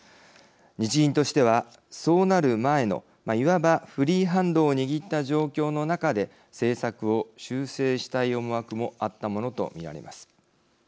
日銀としてはそうなる前のいわばフリーハンドを握った状況の中で政策を修正したい思惑もあったものと見られます。